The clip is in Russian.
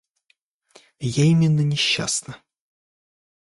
Я именно несчастна.